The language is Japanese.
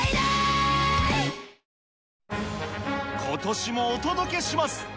ことしもお届けします。